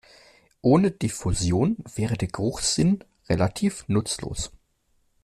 Ohne Diffusion wäre der Geruchssinn relativ nutzlos.